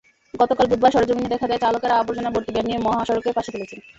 গতকাল বুধবার সরেজমিনে দেখা যায়, চালকেরা আবর্জনাভর্তি ভ্যান নিয়ে মহাসড়কের পাশে ফেলছেন।